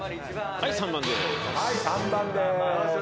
はい３番です。